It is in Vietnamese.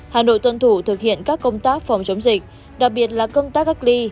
hà nội tuân thủ thực hiện các công tác phòng chống dịch đặc biệt là công tác cách ly